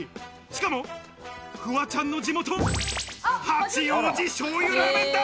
しかもフワちゃんの地元・八王子しょうゆラーメンだ。